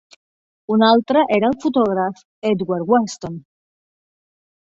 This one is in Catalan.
Un altre era el fotògraf Edward Weston.